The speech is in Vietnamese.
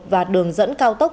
và đường dẫn cao tốc